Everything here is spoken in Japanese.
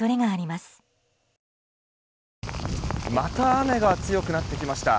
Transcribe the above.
また雨が強くなってきました。